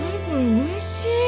おいしい。